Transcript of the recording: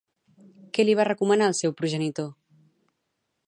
Què li va recomanar el seu progenitor?